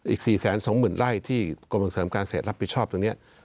อีก๔๒๐๐๐ไร่ที่กรมเสริมการเศษรับผิดชอบตรงนี้